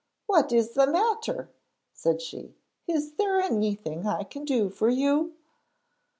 'What is the matter?' said she. 'Is there anything I can do for you?'